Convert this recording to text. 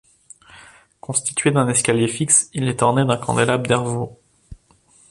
Constitué d'un escalier fixe, il est orné d'un candélabre Dervaux.